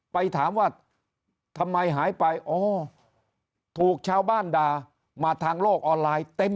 ไปถามว่าทำไมหายไปอ๋อถูกชาวบ้านด่ามาทางโลกออนไลน์เต็ม